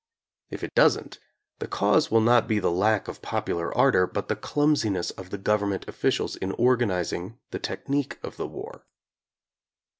If it doesn't, the cause will not be the lack of pop ular ardor, but the clumsiness of the government officials in organizing the technique of the war.